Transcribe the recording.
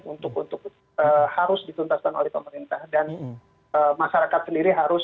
untuk untuk harus dituntaskan oleh pemerintah dan masyarakat sendiri harus